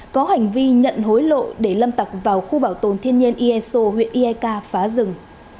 có hành vi nhận hối lộ để lâm tặc vào khu bảo tồn thiên nhiên eso huyện iak phá rừng